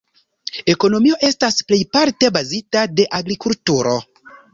Ekonomio estas plejparte bazita de agrikulturo.